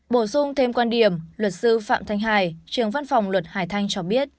bổ sung thêm quan điểm luật sư phạm thanh hải trường văn phòng luật hải thanh cho biết